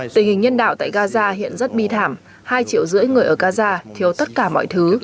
tình hình nhân đạo tại gaza hiện rất bi thảm hai triệu rưỡi người ở gaza thiếu tất cả mọi thứ